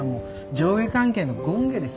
上下関係の権化です。